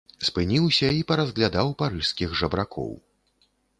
Спыніўся і паразглядаў парыжскіх жабракоў.